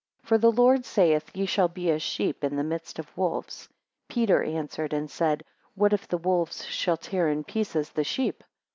2 For the Lord saith, Ye shall be as sheep in the midst of wolves. Peter answered and said, What if the wolves shall tear in pieces the sheep?